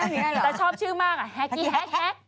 แต่ชอบชื่อมากแฮกไอแฮกแฮก